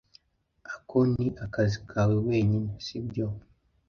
Ako ni akazi kawe wenyine, sibyo?